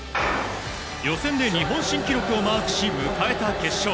予選で日本新記録をマークし、迎えた決勝。